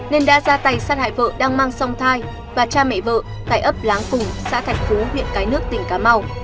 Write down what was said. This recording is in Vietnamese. nên đã ra tay sát hại vợ đang mang sông thai và cha mẹ vợ tại ấp láng cùng xã thạch phú huyện cái nước tỉnh cà mau